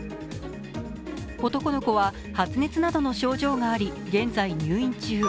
男の子は発熱などの症状があり現在、入院中。